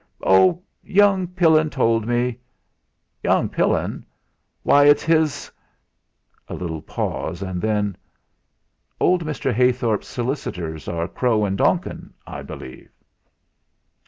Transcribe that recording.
"Oh! Young Pillin told me " "Young Pillin? Why, it's his !" A little pause, and then: "Old Mr. Heythorp's solicitors are Crow & Donkin, I believe."